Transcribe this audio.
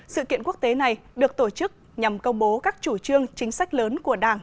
sự kiện quốc tế này được tổ chức nhằm công bố các chủ trương chính sách lớn của đảng